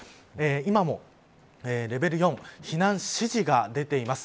今もレベル４避難指示が出ています。